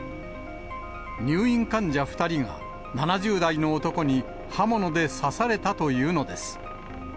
入院患者２人が、７０代の男に刃物で刺されたというのです。